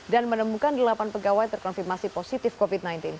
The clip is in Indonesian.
dan menemukan delapan pegawai terkonfirmasi positif covid sembilan belas